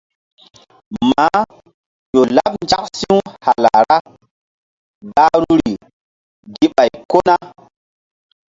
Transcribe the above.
Maah ƴo laɓ nzak si̧w hala ra̧h gahruri gi ɓay ko ni.